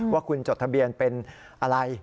ว่าคุณจดทะเบียนเป็นอะไร